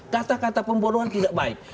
kata kata pembunuhan tidak baik